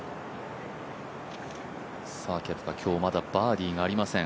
ケプカ、今日まだバーディーがありません。